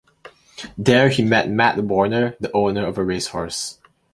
There he met Matt Warner, the owner of a race horse.